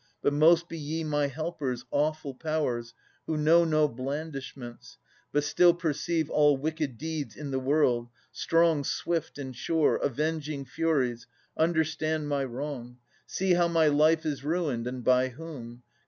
But most be ye my helpers, awful Powers, Who know no blandishments, but still perceive All wicked deeds i' the world — strong, swift, and sure, Avenging Furies, understand my wrong, See how my life is ruined, and by whom.